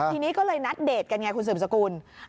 ทีนี้ก็เลยนัดเดทกันไงคุณสืบสกุล